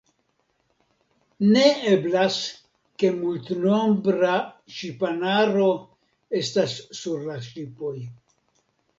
Ne eblas ke multnombra ŝipanaro estas sur la ŝipoj.